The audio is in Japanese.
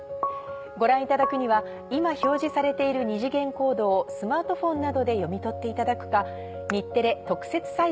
ご覧いただくには今表示されている二次元コードをスマートフォンなどで読み取っていただくか。